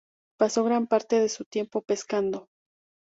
Pasó gran parte de su tiempo pescando.